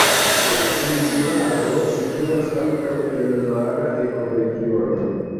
La insularo situas ankaŭ en mara ekoregiono.